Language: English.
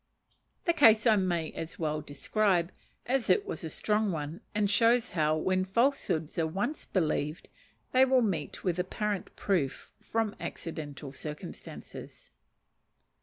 The case I may as well describe, as it was a strong one, and shows how, when falsehoods are once believed, they will meet with apparent proof from accidental circumstances.